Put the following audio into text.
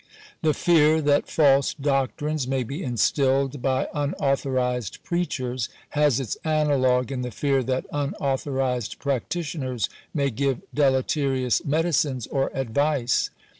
The fear that false doctrines may be instilled by unauthorized preachers, has its analogue in the fear that unauthorized practitioners may give deleterious medicines or advice.